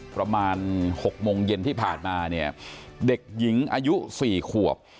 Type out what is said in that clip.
ประมาณ๖โมงเย็นที่ผ่านมาเนี่ยเด็กหญิงอายุ๔ขวบ